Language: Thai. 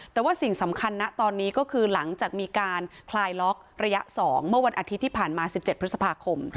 แต่ว่าสิ่งสำคัญนะตอนนี้ก็คือหลังจากมีการคลายล็อกระยะ๒เมื่อวันอาทิตย์ที่ผ่านมา๑๗พฤษภาคม